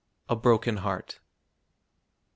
_ A BROKEN HEART. I.